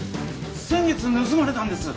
先月盗まれたんです